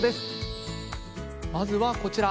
まずはこちら。